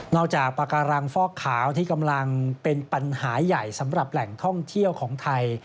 จากปากการังฟอกขาวที่กำลังเป็นปัญหาใหญ่สำหรับแหล่งท่องเที่ยวของไทย